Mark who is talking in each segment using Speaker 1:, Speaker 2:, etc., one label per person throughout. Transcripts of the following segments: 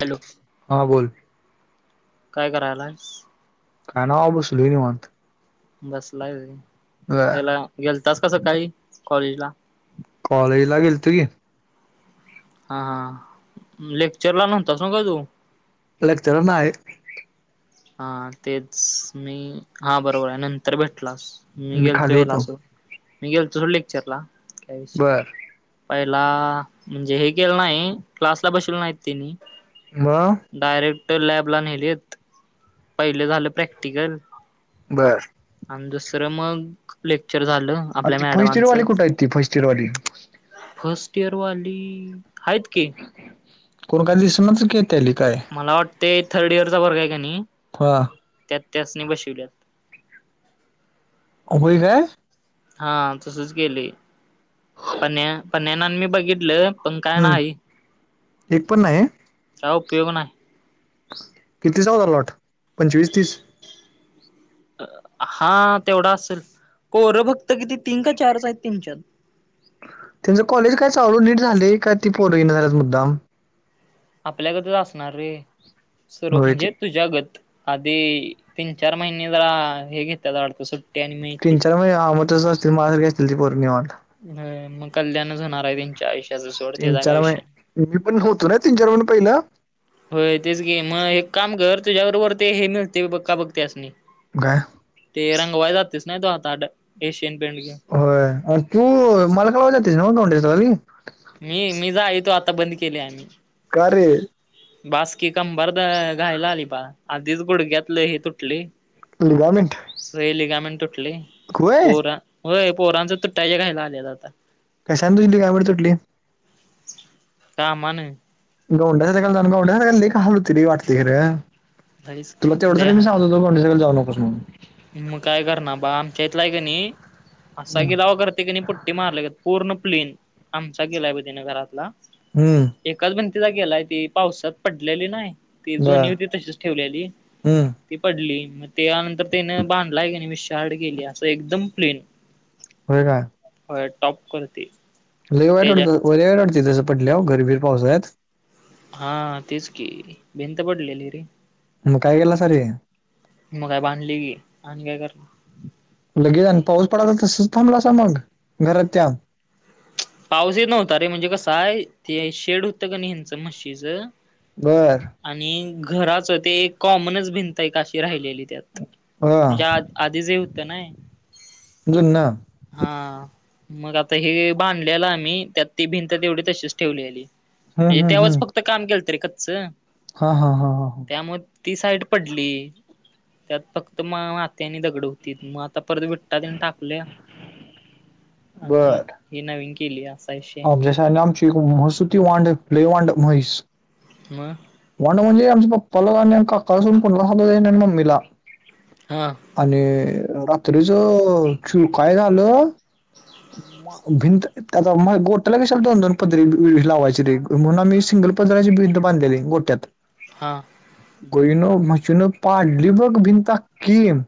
Speaker 1: Hello
Speaker 2: हा बोल
Speaker 1: काय करायलाय?
Speaker 2: काय नाय आ बसलोय निवांत.
Speaker 1: बसलाय वय
Speaker 2: बर
Speaker 1: ह्यला गेलतास का सकाळी कॉलेज ला.
Speaker 2: कॉलेजला गेलतो की.
Speaker 1: हा हा हा लेक्चरला नव्हतास नव्ह काय तू?
Speaker 2: लेक्चर नाय.
Speaker 1: हा तेच मी हा बरोबर आहे नंतर भेटलास. मी गेलतो
Speaker 2: खाली
Speaker 1: याला
Speaker 2: होतो
Speaker 1: असं मी गेलं तो ‌लेक्चरला. काय विषय
Speaker 2: बर
Speaker 1: पहिला म्हणजे हे केल नाही, क्लासला बसवले नाहीत त्यांनी.
Speaker 2: मग?
Speaker 1: डायरेक्ट लॅबला नेलेत, पहिले झालं प्रॅक्टिकल.
Speaker 2: बरं.
Speaker 1: अन दुसरं मग लेक्चर झालं.
Speaker 2: अ
Speaker 1: आपल्या
Speaker 2: ते फर्स्ट
Speaker 1: मॅडमांचं
Speaker 2: इयरवाले कुठ हाईत ते फर्स्ट इयरवाली?
Speaker 1: फर्स्ट इयरवाली हाईत की.
Speaker 2: कोण काय दिसणाच त्याली काय.
Speaker 1: मला वाटते थर्ड इयरचा वर्ग आहे की नई
Speaker 2: हा.
Speaker 1: त्यात त्यासनी बसवल्यात.
Speaker 2: अ होय काय?
Speaker 1: हा तसच केलंय. पन्या पन्यान आणि मी बघितलं, पण काय
Speaker 2: हम्म
Speaker 1: नाही.
Speaker 2: एक पण नाही?
Speaker 1: काय उपयोग नाही.
Speaker 2: कितीचा होता लॉट पंचवीस, तीस?
Speaker 1: हा तेवढा असेल. पोर फक्त किती तीन का चारच आहेत तेनच्यात.
Speaker 2: त्यांचं कॉलेज काय चालू नीट झालंय, काय ती पोर यीना झाल्यात मुद्दाम?
Speaker 1: आपल्यागतच असणार रे सर्व
Speaker 2: होय ते
Speaker 1: म्हणजे तुझ्यागत. आधी तीन, चार महिने जरा हे घेत्यात वाटत सुट्ट्या आणि मग येतील.
Speaker 2: व्हय [unintelligible] तसंच ति [unintelligible] घालतील पोर निवांत.
Speaker 1: व्हय मग कल्याणच होणार आहे त्यांच्या आयुष्य
Speaker 2: तीन, चार म मी पण होतो ना तीन, चार महिने पहिलं.
Speaker 1: होय तेच की, मग एक काम कर तुझ्याबरोबर ते हे मिळतेय का बघ काम बघ त्यासनी.
Speaker 2: काय?
Speaker 1: ते रंगवाय जातेस नाही तो आता ड
Speaker 2: होय आणि तू माल कालवाय जातुयस ना गवंड्याच्या हाताखाली?
Speaker 1: मी मी जाईतो आता बंद केलंय आम्ही.
Speaker 2: कार रे?
Speaker 1: बाासकी कंबर द घाईला आली बा आधीच गुडघ्यातलं हे तुटलंय.
Speaker 2: लिगामेंट
Speaker 1: रेलीगामण तुटलंय
Speaker 2: होय
Speaker 1: पोरा होय पोरांचं तुट्टायच्या घाईला आल्यात आता.
Speaker 2: कशान तुटली, काय बरं तुटली?
Speaker 1: कामानं.
Speaker 2: गवंड्याच्या हाताखाली जाऊन गवंड्याच्या हाताखाली लई हाल होतंय वाटतंय खरं.
Speaker 1: लईच
Speaker 2: तुला
Speaker 1: लई
Speaker 2: तेवढ्यासाठी मी सांग
Speaker 1: हाल
Speaker 2: तो गवंड्याच्या खाली जाऊ नकोस म्हणून.
Speaker 1: मग काय करणार बा आमच्या इथला हाय की नाही असा गिलावा करतंय की नई पु ते मारलेय पूर्ण प्लेन आमचा गलाय ब तिने घरातला.
Speaker 2: हम्म.
Speaker 1: एकाच भिंतीचा गेलाय ती पावसात पडलेली नाय. ती
Speaker 2: बर
Speaker 1: जुनी होती तशीच ठेवलेली
Speaker 2: हम्म
Speaker 1: ती पडली म ते यानंतर तेन बांधलाय की नाही विशाळ गेली असं एकदम प्लेन
Speaker 2: होय काय?
Speaker 1: होय यटॉप करती.
Speaker 2: लई वाईट वाटतं होतं लई वाईट वाटत तसं पडल्यावर घरबीर पावसाळ्यात?
Speaker 1: हा तेच की भिंत पडलेली रे.
Speaker 2: मग काय केला अरे
Speaker 1: म काय बांधले कि आणि काय करणार.
Speaker 2: लगे आणि पाऊस पडाला तसेच थांबला असाल मंग घरात त्या.
Speaker 1: पाउस येत नव्हता रे म्हणजे कसं आहे ते शेड होतं क न हेंचा म्हशीचा
Speaker 2: बर
Speaker 1: आणि घराच ते एक कॉमनच भिंत आहे का अशी राहिलेली त्या. त
Speaker 2: हा
Speaker 1: ज्यात आदी जे होतं नाय
Speaker 2: जुन्न
Speaker 1: हा मग आता हे बांधलेलं आम्ही त्यात ती भिंत तेवढी तशीच ठेवलेली.
Speaker 2: हम्म हम्म
Speaker 1: तेव्हाच
Speaker 2: हम्म
Speaker 1: फक्त काम केलतं रे कच्च
Speaker 2: हा हा हा हा
Speaker 1: त्यामुळं ती साईड पडली त्यात फक्त मा मात्या आणि दगड होतीत म आता परत भि टा टेन टाकल्या आणि हे नवीन केली असे.
Speaker 2: अम जसा आहे न आमची महसूती वांड पलई वांड महेस
Speaker 1: म
Speaker 2: वांड म्हणजे आमची पप्पाला वांडून आणि काकाला सोडून कोण [unintelligible] आणि मम्मीला.
Speaker 1: हा.
Speaker 2: आणि अ रात्रीचा चू काय झालं? म भिंतीत आता म गोटाला कशाला दोन दोन पदरी लावायची रे म्हणून आम्ही सिंगल पदराची भिंत बांधलेली गोट्यात.
Speaker 1: हा.
Speaker 2: गोइनं मशीनं पाडली बघ भिंता अक्किम.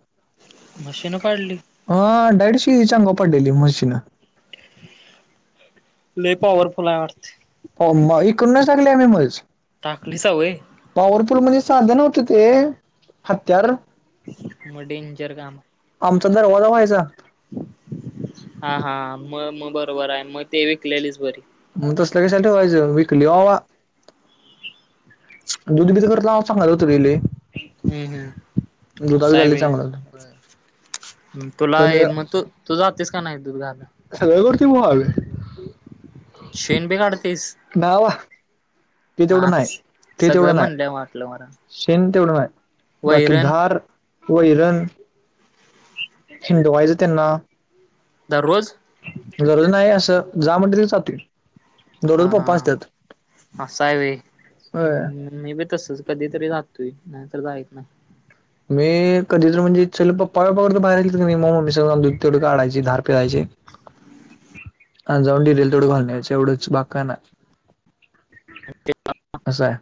Speaker 1: मशिनं पाडली?
Speaker 2: आ डेडशी चांगव पाडलेली मशीना.
Speaker 1: लई पॉवरफुल आहे वाटते.
Speaker 2: पो म इकडनं टाकले आम्ही म्हीस.
Speaker 1: टाकली सवय
Speaker 2: पावरफुल म्हणजे साद्या होते नव्हते हत्यार.
Speaker 1: म डेंजर गाम.
Speaker 2: आमचा दरवाजा व्हायजा.
Speaker 1: हा हा म म बरोबर आहे म ते विकलेलीच बरी.
Speaker 2: म तसलं कशाला ठेवायच विकल्या वावा. दुध बिध करतला आवाज चांगला होतं बी ले.
Speaker 1: हम्म हम्म
Speaker 2: दुधा बी
Speaker 1: असं हाय
Speaker 2: झाली
Speaker 1: व्हय.
Speaker 2: चांगलं.
Speaker 1: तुला
Speaker 2: पण
Speaker 1: हे म तो तूझा होतेस का नाही दुध घाला?
Speaker 2: सगळं करती मगं.
Speaker 1: शेन बी काढतेस?
Speaker 2: बाबा
Speaker 1: म आज सगळं म्हणले वाटलं मला.
Speaker 2: शेन तेवढं नाय बाकी
Speaker 1: वैरण
Speaker 2: धार, वैरन खिडव्हायचं त्यांना
Speaker 1: दररोज
Speaker 2: जरूरी नाही असं जा मंडली चालतील.
Speaker 1: हा हा असा आहे वई.
Speaker 2: होय
Speaker 1: मी बी तसेच कधी तरी राहतोय नाहीतर जाइत नाय.
Speaker 2: मी कधी तर म्हणजे चल पप्पा [unintelligible] मम्मी सगळं आम्ही दूध तेवडं काढायची, धार पेरायची
Speaker 1: [inaudible]
Speaker 2: आज जावून डेअरिला तेवढ घालून यायचयं एवढंच बाकि काय नाई.
Speaker 1: [unintelligible]
Speaker 2: असं आहे.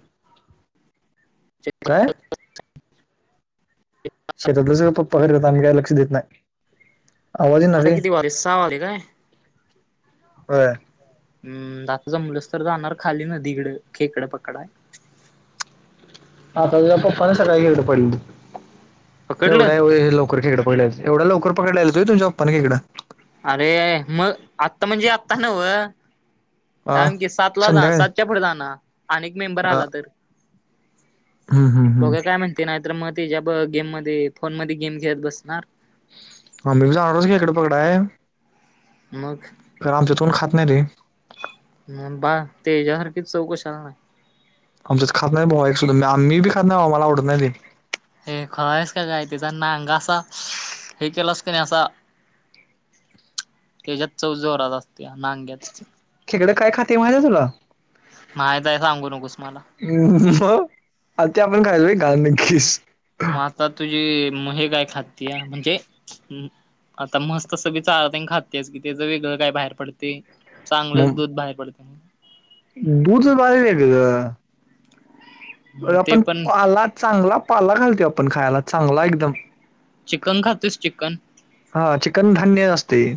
Speaker 2: काय
Speaker 1: [unintelligible]
Speaker 2: शेतातलं सगळ करतात आम्ही काय लक्ष देत नाही. आवाज ईना
Speaker 1: आता
Speaker 2: वय
Speaker 1: किती वाजले सहा वाजले काय?
Speaker 2: व्हयं.
Speaker 1: अम्म आता जमलसं तर जाणार खाली नदीकडं खेकड पकडायं.
Speaker 2: आता तुझ्या पप्पानं सकाळी गेलतं पडी
Speaker 1: पकडलं?
Speaker 2: एवढ़या व हे लव लवकर खेकडं पकडले असतीत एवढ्या लवकर पकडलेलीत वय तुमच्या पप्पानं खेकडं.
Speaker 1: अरे मग आत्ता म्हणजे आत्ता नवं.
Speaker 2: आ
Speaker 1: थांब कि सातला जा
Speaker 2: संध्याकाळी
Speaker 1: सातच्या पुढं जाणा आणि एअ मेंबर
Speaker 2: आ
Speaker 1: आला तर.
Speaker 2: हम्म हम्म
Speaker 1: बघूया
Speaker 2: हम्म
Speaker 1: काय म्हणतय नाहीतर मग ते ज गेम मध्ये फोन मध्ये गेम खेळत बसणार.
Speaker 2: आम्ही बी जाणारयं खेकडं पकडाय.
Speaker 1: मग.
Speaker 2: खर आमच्यात कोण खात नाही रे.
Speaker 1: मग बाळ तेज्यासारखी चव कशाला नाय.
Speaker 2: आमच्याच खात नाही भावा एक सुदा मी बी खात नाही भावा मला आवडत नाही ते.
Speaker 1: हे खुळा आहेस का काय त्याचा नांगा असा हे केलास क नाही असा त्याच्यात चव जोरात अस त्या नांग़्यात
Speaker 2: खेकडं काय खाते माहिती आहे तुला
Speaker 1: माहितयं सांगू नकोस मला.
Speaker 2: हं हं म आण ते आपण खायाच वय घाण ग्गिस.
Speaker 1: मग आता तुझी महे काय खातीया म्हणजे हम्म आता म्हस तस बी चारातेनं खातियाचं की त्याज वेगळं काय बाहेर पडतयं. चांगलंच
Speaker 2: मग
Speaker 1: दूध बाहेर पडतय न
Speaker 2: दूध बाळ वेगळं. अ
Speaker 1: मग ते
Speaker 2: आपण
Speaker 1: पण
Speaker 2: पाला चांगला पाला घालतोय आपण खायला चांगला एकदम.
Speaker 1: चिकन खातोस चिकन.
Speaker 2: हा चिकन धान्य असतय.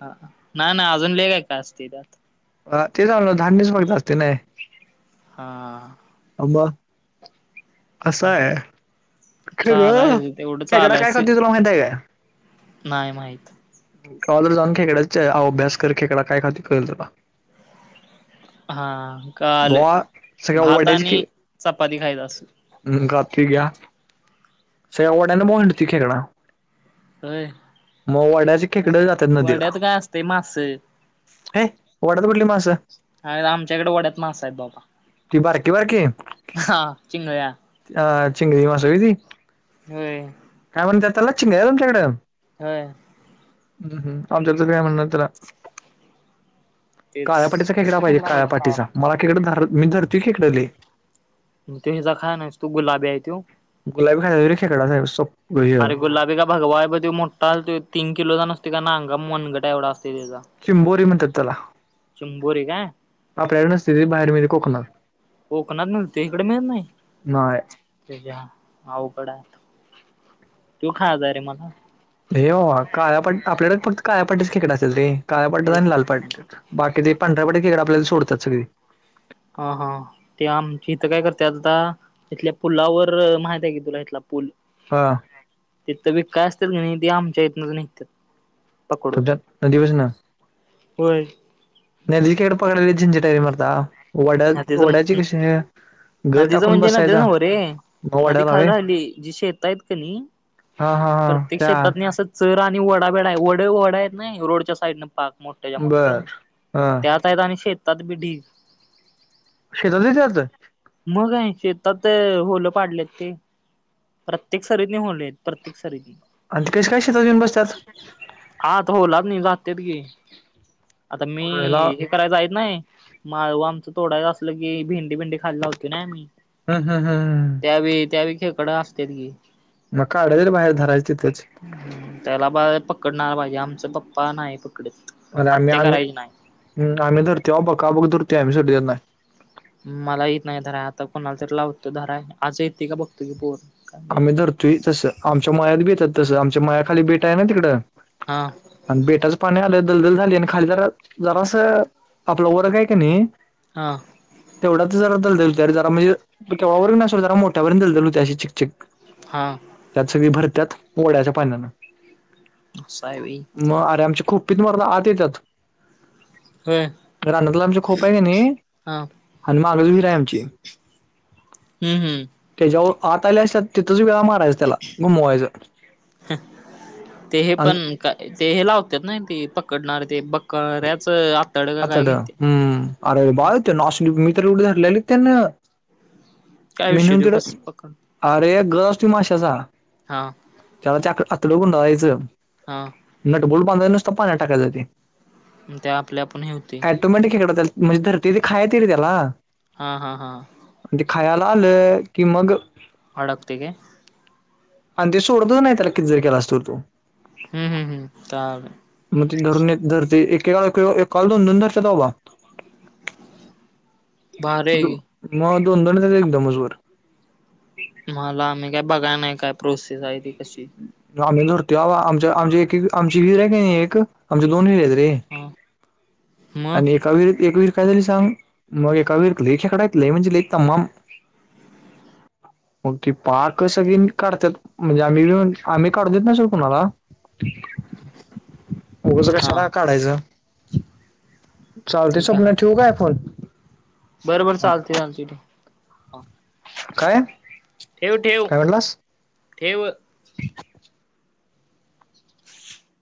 Speaker 1: हा नाय नाय अजून लय काय काय असतयं त्यात.
Speaker 2: अ ते जालं धान्यच फक्त असतय नाय.
Speaker 1: हां.
Speaker 2: अ म कसयं. खेगळ
Speaker 1: चालायचं तेवढं
Speaker 2: खेकडा काय खातोय तुला माहितीय काय?
Speaker 1: नाई माहित.
Speaker 2: कवातर जाऊन खेकड्या च अभ्यास कर खेकडा काय खातोय कळलं तुला.
Speaker 1: हा
Speaker 2: भावा
Speaker 1: कळालयं
Speaker 2: सगळ्या
Speaker 1: भात आणि चपाती खायचं अस.
Speaker 2: हं खातोय घ्या सगळया वड़्यानंं भावा हिंडतोय खेकडा.
Speaker 1: होय
Speaker 2: मग वड्याची
Speaker 1: वड्यात काय असतयं मासं
Speaker 2: हे वड्यात कुठली मासं
Speaker 1: अ आमच्या इकडं वड्यात मासं आहेत बाबा.
Speaker 2: ति बारकी बारकी.
Speaker 1: हा चिंगळ्या.
Speaker 2: आ चिंगळी मास वय ती.
Speaker 1: होय.
Speaker 2: काय म्हणत्यात त्याला चिंगळ्या तुमच्याकड.
Speaker 1: होय.
Speaker 2: हम्म हम्म आमच्यात तर काय म्हणणात त्याला.
Speaker 1: तेच
Speaker 2: काळ्या पाटीचा खेकडा पाहिजे काळ्यापाटीचा मला खेकड धर मी धरतोय खेकडं लई.
Speaker 1: म त्यो ह्यजा खायाय नाहिस तू गुलाबी आहे त्यो.
Speaker 2: गुलाबी खाया वय रे खेकडा खायाय सो
Speaker 1: अरे गुलाबी का भगवाय ब त्यो मोठा तीन किलोचा नसतोय का नांगा मनगटा एवढा असतोय त्याजा.
Speaker 2: चिंबोरी म्हणत्यात त्यला.
Speaker 1: चंबोरी काय
Speaker 2: आपल्याकडे नसेल बाहेर मिळेल कोकणात.
Speaker 1: कोकणात मिळते इकडे मिळत नाही
Speaker 2: नाही
Speaker 1: त्याच्या अवघड आहे. तू खायजा रे मला.
Speaker 2: हे हो काळ्या पट्ट आपल्याकडेच फक्त काळ्यापट्टच खेकडा असेल ते काळ्यापट्टाच आणि लालपाट. बाकी ते पंढरपडी खेकडा आपल्याला सोडतात सगळी.
Speaker 1: हा हा. ते आमच्या इथं काय करते आता इथल्या पुलावर माहित आहे की तुला इथला पुल?
Speaker 2: हा
Speaker 1: तेथ बी काय असतील की नाही ते आमच्या इथनं नेहतात.
Speaker 2: तुझयात नदिवस ना?
Speaker 1: होय.
Speaker 2: नदी खेकडा पकडल्या लई झिंझट आहे मरता वड्या वड्याची कशे हे
Speaker 1: नदीच म्हणजे नदी नव्ह रे
Speaker 2: मग
Speaker 1: नदी
Speaker 2: वड्याला
Speaker 1: खाल
Speaker 2: व्हय
Speaker 1: राहिली जी शेता आहेत की नाही
Speaker 2: हा हा हा
Speaker 1: प्रत्येक
Speaker 2: त्या
Speaker 1: शेतात नी असं चरं आणि वडा बेडा आहे वड वडा आहेत नाही रोडच्या साईडने पाक मोठ्या ज्या मोठं
Speaker 2: बर हा
Speaker 1: त्यात आहेत आणि शेतात भि डिग
Speaker 2: शेतात बी चालतं?
Speaker 1: म काय शेतात होलं पाडलेत ते. प्रत्येक सरीदने होले आहेत प्रत्येक सरीदने.
Speaker 2: आणि ते कशे काय शेतात येऊन बस्त्यात?
Speaker 1: हा तर होलात नी जातेत की आता
Speaker 2: पहिला
Speaker 1: मी करायचायेत नाही माळवा आमचं तोडाय असलं की भिंडी भिंडी खायला लावतो होती ना मी.
Speaker 2: ह ह हा.
Speaker 1: त्यावी त्यावी खेकडं असतेत की.
Speaker 2: मग काढवेळ बाहेर धरायची तेच.
Speaker 1: त्याला बाहेर पकडणार पाहिजे आमचा पप्पा नाही पकडत.
Speaker 2: अरे आम्ही
Speaker 1: हत्या
Speaker 2: आम्ही
Speaker 1: करायची नाही.
Speaker 2: हम्म धूर्ती तेव्हा बघ का बघ धुर्ती आहे आम्ही सोडली त्यांना.
Speaker 1: मला येत नाही धराय आता कोणाला तरी लावतो धराय आज येते का बघतो की पोर. काय
Speaker 2: आम्ही धरतोय तसं आमच्या मायात बी येतात तसं आमच्या मायाखाली बेट आहेना तिकडं.
Speaker 1: हा.
Speaker 2: आणि बेटाचं पाणी आलं दलदल झाली आणि खाली जरा जरास आपला वरगं आहे क नी
Speaker 1: हा
Speaker 2: तेवढाच जरा दलदल होतं अरे जरा मेळ केव्हा वरून नशेल जरा मोठ्यावरून दलदल होत्या अशी चिकचीक.
Speaker 1: हा.
Speaker 2: त्यात सगळी भरत्यात पोळ्याच्या पाण्याने
Speaker 1: असं हाय व्हय
Speaker 2: म अरे आमचे खूप पीत मारायला आत येत्यात,
Speaker 1: होय
Speaker 2: रानातला आमच्या खोप आहे क नी
Speaker 1: हा
Speaker 2: आणि मागजवीर आहे आमची.
Speaker 1: हम्म हम्म.
Speaker 2: त्याच्यावर आत आले असत्यात तिथचं वेळा माराय त्याला गुमवयजा
Speaker 1: ते हे
Speaker 2: आणि
Speaker 1: पण ते हे लावत्यात ना ते पकडणार ते बकरयाचा आ
Speaker 2: आतड्या अरे बाय त्यांना अशी मी तर उड धरलेली त्यांना.
Speaker 1: काय
Speaker 2: मी
Speaker 1: विषय
Speaker 2: नेऊन
Speaker 1: त्यो
Speaker 2: दिलं
Speaker 1: कस पकड
Speaker 2: अरे गश ते माशाचा.
Speaker 1: हा
Speaker 2: त्या वरती आत आत्डं गुंडवायचा
Speaker 1: हा.
Speaker 2: नट बोल्ट बांधायचं नुस्ता पाण्यात टाकायचयं ते.
Speaker 1: म ते आपल आपण हे होतयं.
Speaker 2: टोमॅटो खेकडं रे ते म्हणजे ते खायाय येतयं रे त्याला.
Speaker 1: हा हा हा.
Speaker 2: ते खायला आल की मग
Speaker 1: अडकते काय?
Speaker 2: आणि ते सोडतो नाही त्याला किती जरी केलाचं तर तू.
Speaker 1: हम्म हम्म हम्म ता बाई
Speaker 2: म ते धरून एक धर ते एकेका कॉ एक कॉल दोन दोन धरशे बाबा.
Speaker 1: भारी हाय
Speaker 2: दो
Speaker 1: की
Speaker 2: म दो दोन जण एकदमचं वर.
Speaker 1: मला आ मी काय बघाय नाही काय प्रोसेस आहे ती कशी.
Speaker 2: ये आम्ही धरतोय आबा आमच्या आमचे आम आमची एक आमची विहीर आहे का नाही एक आमच्या दोन विहिरी आहेत रे.
Speaker 1: हा. मग
Speaker 2: आणि एका विहिरीत एक विहीर काय झाली सांग माग एका विहिरीत लई खेकडं हाईत लई म्हणजे लय तमाम.
Speaker 1: [inaudible]
Speaker 2: मग ती पाकचं सगळी काढत्यात म्हणजे आम्ही येवून आम्ही काढू देत नाई सोड कुणाला.
Speaker 1: [inaudible]
Speaker 2: उगच
Speaker 1: हा
Speaker 2: कशाला काढायचं. चालतयं स्वप्न्या ठेवू काय फोन?
Speaker 1: बर बर चालतयं चालतयं ठेव
Speaker 2: काय
Speaker 1: ठेव ठेव.
Speaker 2: काय म्हटलास
Speaker 1: ठेव. [inaudible]